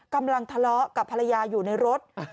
กำลังทะเลาะกับภรรยาอยู่ในรถ